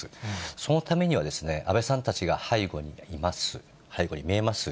そのためには安倍さんたちが背後に見えます